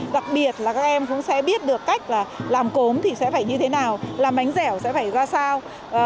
đặc biệt là các em cũng sẽ biết được cách là làm cốm thì sẽ phải như thế nào làm bánh dẻo sẽ phải ra sao